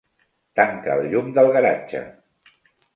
Tanca el llum del garatge.